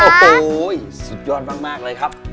โอ้โหสุดยอดมากเลยครับ